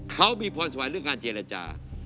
เขามีพรสวรรค์เรื่องการเจรจา